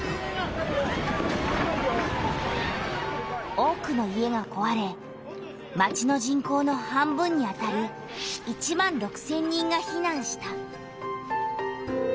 多くの家がこわれ町の人口の半分にあたる１万６千人がひなんした。